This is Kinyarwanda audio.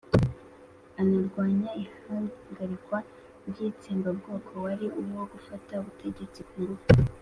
anarwanya ihagarikwa ry'itsembabwoko wari uwo gufata ubutegetsi ku ngufu